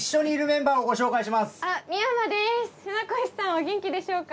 お元気でしょうか？